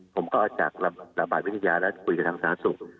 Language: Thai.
ผมก็อาจจากระบายวิทยาแล้วคุยกับทางสหรัฐสุข